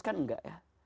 kan enggak ya